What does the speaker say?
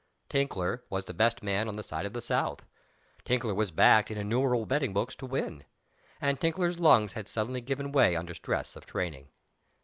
"Tinkler" was the best man on the side of the South. "Tinkler" was backed in innumerable betting books to win. And Tinkler's lungs had suddenly given way under stress of training!